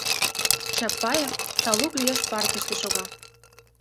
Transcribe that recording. Чапаев талук лиеш партийыште шога.